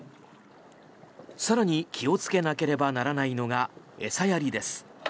更に気をつけなければならないのが餌やりです。